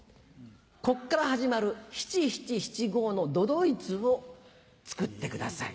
ここから始まる七・七・七・五の都々逸を作ってください。